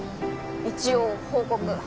一応報告。